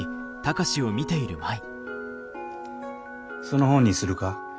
その本にするか？